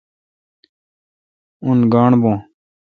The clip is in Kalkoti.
اون گاݨڈ بھو۔